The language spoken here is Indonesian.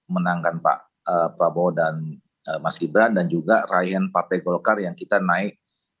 menangkan pak prabowo dan mas gibran dan juga ryan partai golkar yang kita naik